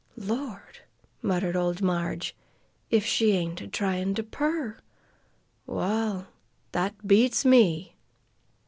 "Lord!" muttered old Marg, "if she ain't a tryin' to purr! Wall, that beats me!"